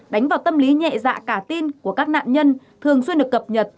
đánh vào tâm lý nhẹ dạ cả tin của các nạn nhân thường xuyên được cập nhật